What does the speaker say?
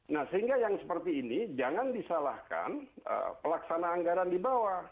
nah sehingga yang seperti ini jangan disalahkan pelaksana anggaran di bawah